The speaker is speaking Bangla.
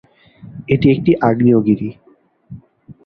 এটি একটি আগ্নেয়গিরি।